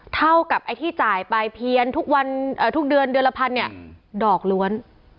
เท่ากับไอ้ที่จ่ายไปเพียนทุกวันทุกเดือนเดือนละพันเนี่ยดอกล้วน